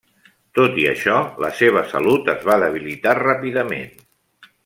Tot i això, la seva salut es va debilitar ràpidament.